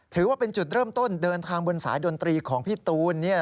ถือว่าเป็นจุดเริ่มต้นเดินทางบนสายดนตรีของพี่ตูน